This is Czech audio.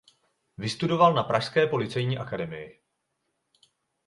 Vystudoval na pražské Policejní akademii.